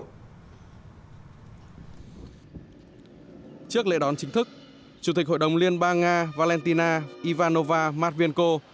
trước lễ đón chính thức chủ tịch hội đồng liên bang nga valentina ivanova matvienko